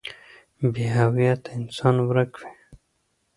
بې هويته انسان ورک وي.